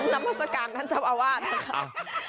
นามศักดิ์การท่านเจ้าอาวาสนะคะ